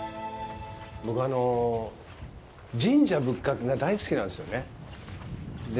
僕は、神社仏閣が大好きなんですよね。